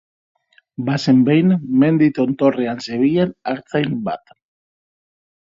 Bazen behin mendi tontorrean zebilen artzain bat.